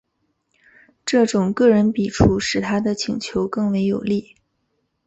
这种个人笔触使他的请求更为有力。